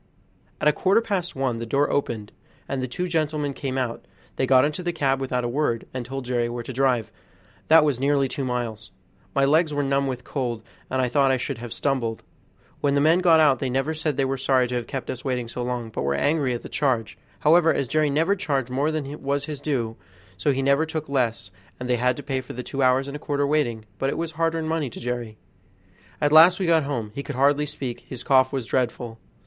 At a quarter past one the door opened, and the two gentlemen came out; they got into the cab without a word, and told Jerry where to drive, that was nearly two miles. My legs were numb with cold, and I thought I should have stumbled. When the men got out they never said they were sorry to have kept us waiting so long, but were angry at the charge; however, as Jerry never charged more than was his due, so he never took less, and they had to pay for the two hours and a quarter waiting; but it was hard earned money to Jerry. At last we got home; he could hardly speak, and his cough was dreadful.